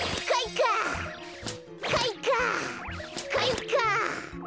かいか！